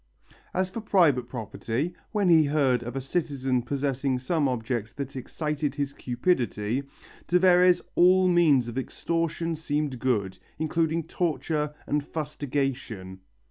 As for private property, when he heard of a citizen possessing some object that excited his cupidity, to Verres all means of extortion seemed good, including torture and fustigation.